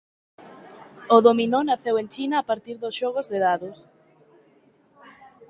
O dominó naceu en China a partir dos xogos de dados.